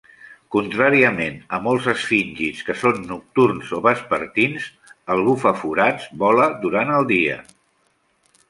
Contràriament a molts esfíngids, que són nocturns o vespertins, el bufaforats vola durant el dia.